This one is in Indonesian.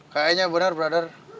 kayaknya benar brother